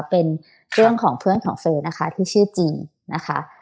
เป็นเรื่องของเพื่อนของเฟอร์นะคะที่ชื่อจริงนะคะ